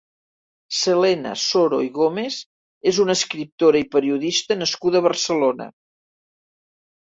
Selena Soro i Gómez és una escriptora i periodista nascuda a Barcelona.